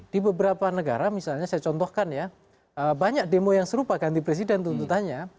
di beberapa negara misalnya saya contohkan ya banyak demo yang serupa ganti presiden tuntutannya